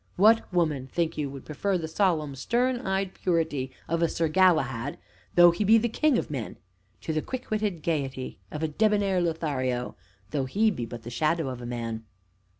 What woman, think you, would prefer the solemn, stern eyed purity of a Sir Galahad (though he be the king of men) to the quick witted gayety of a debonair Lothario (though he be but the shadow of a man)?